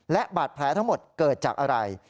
และบาดแผลทั้งหมดเกิดจากอะไร